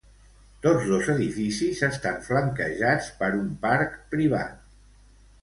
Tots dos edificis estan flanquejats per un parc privat.